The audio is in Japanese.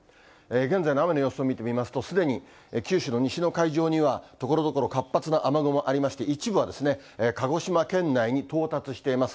現在の雨の様子を見てみますと、すでに九州の西の海上には、ところどころ活発な雨雲ありまして、一部は鹿児島県内に到達しています。